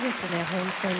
本当に。